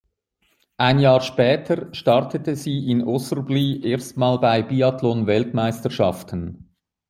Ein Jahr später startete sie in Osrblie erstmals bei Biathlon-Weltmeisterschaften.